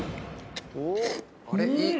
あれ？